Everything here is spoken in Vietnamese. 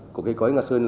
của cây cõi nga sơn